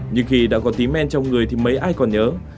nhưng khi đã có tí men trong người thì mấy ai còn nhớ